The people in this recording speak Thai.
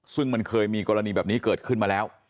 ซึ่งมันเคยมีกรณีแบบนี้เกิดขึ้นมาแล้ว